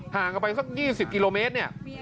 ห่างไปสัก๒๐กิโลเมตร